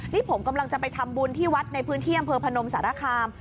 นี่ผมกำลังจะไปทำบุญที่วัดในพื้นที่อำเภอพนมสารคาม